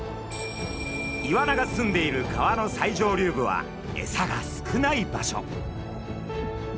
イワナがすんでいる川の最上流部はエサが少ない場所。